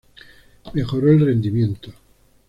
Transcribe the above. Mejoró el rendimiento.